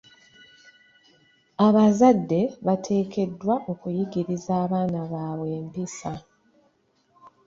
Abazadde bateekeddwa okuyigiriza abaana baabwe empisa.